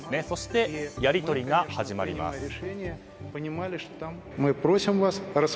そしてやり取りが始まります。